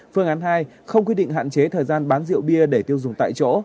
phương án hai không quyết định hạn chế thời gian bán rượu bia để tiêu dùng tại chỗ